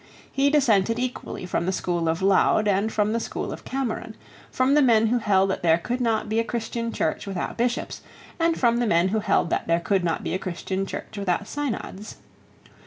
He dissented equally from the school of Laud and from the school of Cameron, from the men who held that there could not be a Christian Church without Bishops, and from the men who held that there could not be a Christian Church without synods.